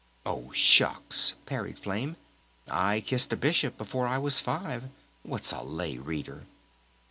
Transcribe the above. "Oh, Shucks!" parried Flame. "I kissed a Bishop before I was five! What's a Lay Reader?"